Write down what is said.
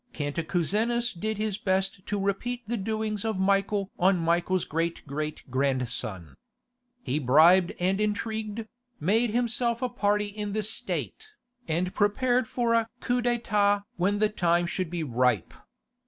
Cantacuzenus did his best to repeat the doings of Michael on Michael's great great grandson. He bribed and intrigued, made himself a party in the state, and prepared for a coup d'état when the time should be ripe.